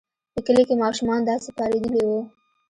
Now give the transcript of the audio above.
په کلي کې ماشومان داسې پارېدلي وو.